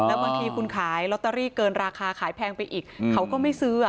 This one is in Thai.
แล้วบางทีคุณขายลอตเตอรี่เกินราคาขายแพงไปอีกเขาก็ไม่ซื้อ